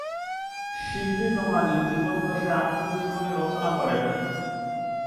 শিবলী নোমানী জীবদ্দশায় আত্মজীবনী রচনা করেন নি।